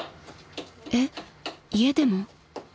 ［えっ？家でも？］